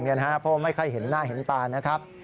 เพราะไม่ค่อยเห็นหน้าเห็นตานะครับ